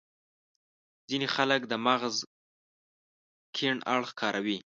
ځينې خلک د مغز کڼ اړخ کاروي.